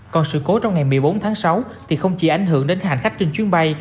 còn sự cố trong ngày một mươi bốn tháng sáu thì không chỉ ảnh hưởng đến hành khách trên chuyến bay